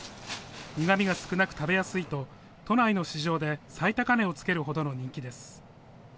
苦みが少なく食べやすいと都内の市場で最高値をつけるほどの人気です。